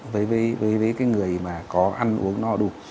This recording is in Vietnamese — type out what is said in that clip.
với cái người mà có ăn uống no đủ